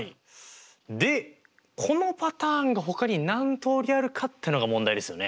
でこのパターンがほかに何通りあるかってのが問題ですよね。